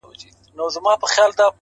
لوړ همت ستړې ورځې کوچنۍ کوي!